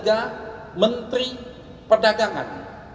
yang ketiga menteri perdagangan